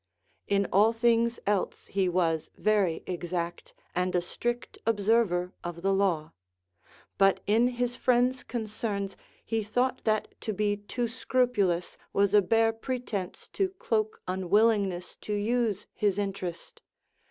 In all things else he Avas very exact, and a strict observer of the law ; but in his friends' concerns he thought that to be too scrupulous Avas a bare pretence to cloak unwilling ness to use his interest.